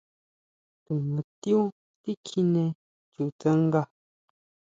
Tu natiú tikjine chu tsanga.